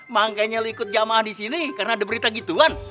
mangkanya liput jamaah di sini karena ada berita gituan